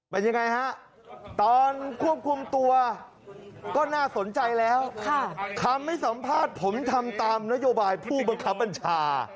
เป็นยังไงฮะตอนควบคุมตัวก็น่าสนใจแล้วคำให้สัมภาษณ์ผมทำตามนโยบายผู้บังคับบัญชา